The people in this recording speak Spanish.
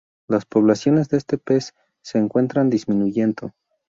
Las poblaciones de este pez se encuentran disminuyendo.